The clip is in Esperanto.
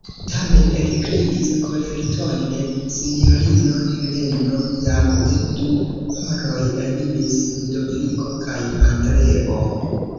Tamen, ekkriis kolertone sinjorino Heleno, jam de du horoj eliris Ludoviko kaj Andreo.